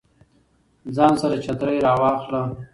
ځان سره چترۍ راواخله